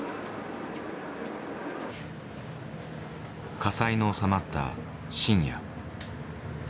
火災の収まった深夜。